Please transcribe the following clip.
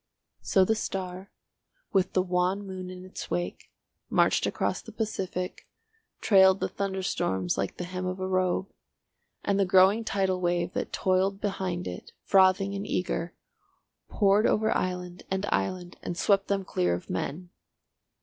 So the star, with the wan moon in its wake, marched across the Pacific, trailed the thunderstorms like the hem of a robe, and the growing tidal wave that toiled behind it, frothing and eager, poured over island and island and swept them clear of men.